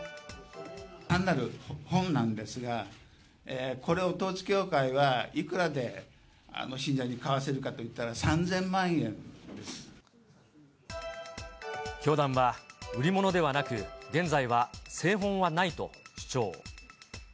単なる本なんですが、これを統一教会はいくらで信者に買わせるかといったら、３０００教団は売り物ではなく、現在は聖本はないと主張。